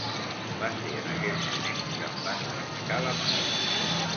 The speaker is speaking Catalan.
Va ser en aquell moment que em van trencar la mà.